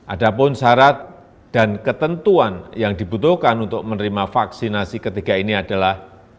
ada pun syarat dan ketentuan yang dibutuhkan untuk menerima vaksinasi ketiga ini adalah